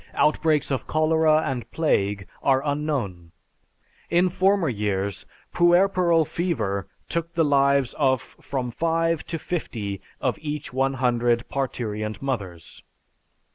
Outbreaks of cholera and plague are unknown. In former years, puerperal fever took the lives of from five to fifty of each one hundred parturient mothers.